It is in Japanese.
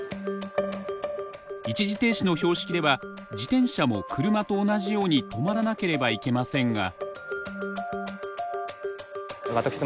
一時停止の標識では自転車も車と同じように止まらなければいけませんが。